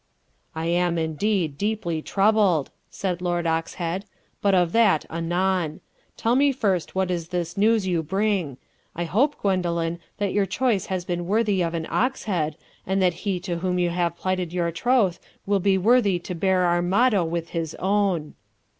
"I am, indeed, deeply troubled," said Lord Oxhead, "but of that anon. Tell me first what is this news you bring. I hope, Gwendoline, that your choice has been worthy of an Oxhead, and that he to whom you have plighted your troth will be worthy to bear our motto with his own."